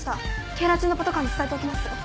警ら中のパトカーに伝えておきます。